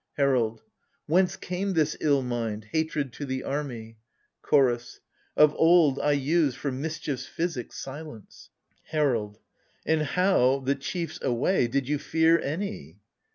HERALD. Whence came this ill mind — hatred to the army ? CHORDS. Of old, I use, for mischiefs physic, silence. HERALD. And how, the chiefs away, did you fear any